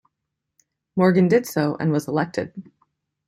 Morgan did so and was elected.